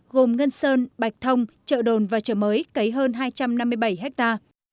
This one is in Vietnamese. gồm ngân sơn bạch thông chợ đồn và chợ mới cấy hơn hai trăm năm mươi bảy hectare